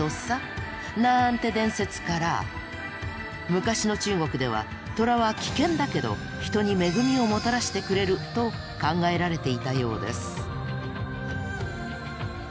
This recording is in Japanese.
なんて伝説から昔の中国では「トラは危険だけど人に恵みをもたらしてくれる」と考えられていたようです。